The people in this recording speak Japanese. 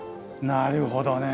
なるほどね。